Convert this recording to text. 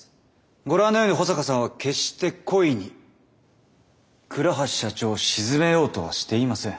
ご覧のように保坂さんは決して故意に倉橋社長を沈めようとはしていません。